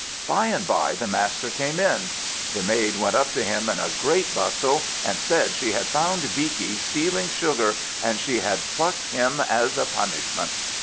By and by the master came in. The maid went up to him in a great bustle, and said she had found Beaky stealing sugar, and she had plucked him as a punishment.